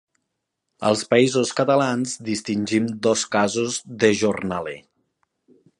Als Països Catalans distingim dos casos de jornaler.